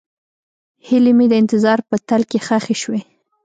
هیلې مې د انتظار په تل کې ښخې شوې.